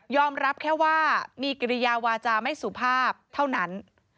รับแค่ว่ามีกิริยาวาจาไม่สุภาพเท่านั้น